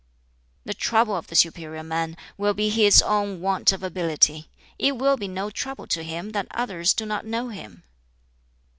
"The trouble of the superior man will be his own want of ability: it will be no trouble to him that others do not know him.